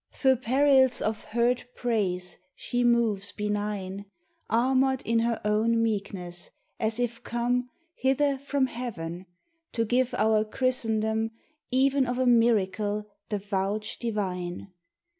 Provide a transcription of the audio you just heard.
Thro' perils of heard praise she moves benign, Armored in her own meekness, as if come Hither from Heaven, to give our Christendom Even of a miracle the vouch divine.